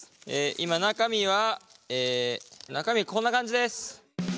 今中身はえ中身はこんな感じです！